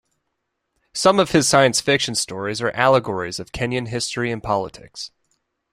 Some of his science fiction stories are allegories of Kenyan history and politics.